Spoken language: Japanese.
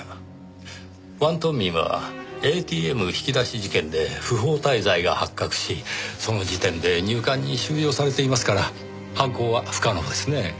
王東明はＡＴＭ引き出し事件で不法滞在が発覚しその時点で入管に収容されていますから犯行は不可能ですねぇ。